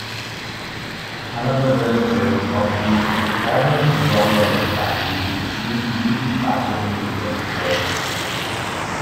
Another relative of the Hohenzollern family assumed legal paternity of the boy.